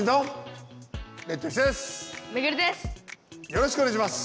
よろしくお願いします。